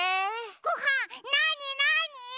ごはんなになに？